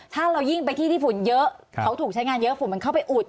ถ้าเรายิ่งไปที่ที่ฝุ่นเยอะเขาถูกใช้งานเยอะฝุ่นมันเข้าไปอุด